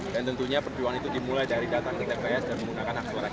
dan tentunya perjuangan itu dimulai dari datang ke tps dan menggunakan hak suara kita